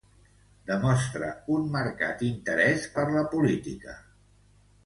Demostra un marcat interès per la política.